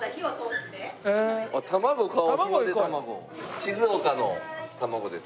静岡の卵です。